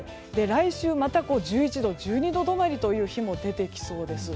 来週、また１１度、１２度止まりという日も出てきそうです。